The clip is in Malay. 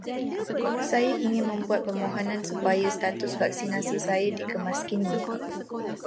Saya ingin membuat permohonan supaya status vaksinasi saya dikemaskini.